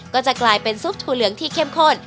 ก็จะกลายเป็นซุปถั่วเหลืองที่เข้มข้น